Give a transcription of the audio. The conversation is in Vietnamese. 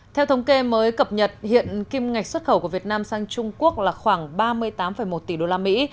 theo thống kê mới cập nhật hiện kim ngạch xuất khẩu của việt nam sang trung quốc là khoảng ba mươi tám một tỷ đô la mỹ